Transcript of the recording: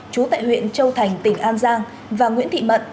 chú tại huyện châu thành tỉnh an giang và nguyễn thị mận